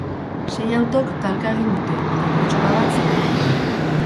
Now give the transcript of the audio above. Sei autok talka egin dute eta pertsona bat zauritu da.